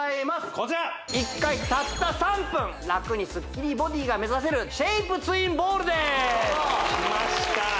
こちら１回たった３分楽にスッキリボディーが目指せるシェイプツインボールですきました